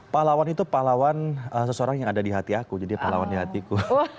pahlawan itu pahlawan seseorang yang ada di hati aku jadi pahlawan di hatiku